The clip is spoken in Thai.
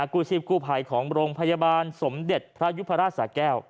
กู้ชีพกู้ภัยของโรงพยาบาลสมเด็จพระยุพราชสาแก้ว